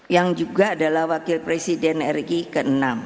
yang juga adalah wakil presiden ri ke enam